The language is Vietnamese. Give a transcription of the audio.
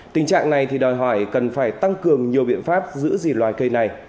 tình trạng này thì đòi hỏi cần phải tăng cường nhiều biện pháp giữ gìn loài cây này